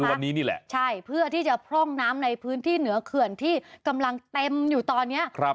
วันนี้นี่แหละใช่เพื่อที่จะพร่องน้ำในพื้นที่เหนือเขื่อนที่กำลังเต็มอยู่ตอนนี้